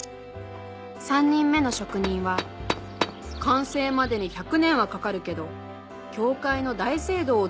３人目の職人は「完成までに１００年はかかるけど教会の大聖堂をつくっているのさ」